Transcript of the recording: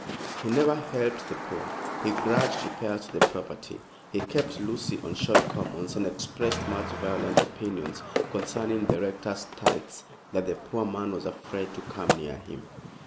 He never helped the poor, he grudged repairs to the property, he kept Lucy on short commons, and expressed such violent opinions concerning the rector's tithes that the poor man was afraid to come near him.